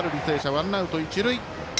ワンアウト、一塁。